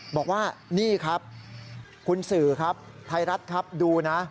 บอกว่านี่ครับคุณสื่อครับไทยรัฐครับดูนะ